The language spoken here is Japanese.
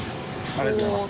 ありがとうございます。